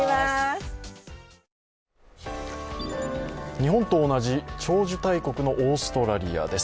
日本と同じ長寿大国のオーストラリアです。